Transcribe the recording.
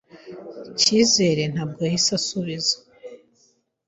Cyizere ntabwo yahise asubiza.